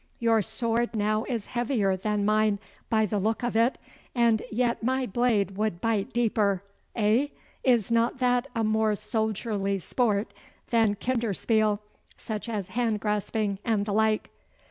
Your sword now is heavier than mine, by the look of it, and yet my blade would bite deeper. Eh? Is not that a more soldierly sport than kinderspiel such as hand grasping and the like?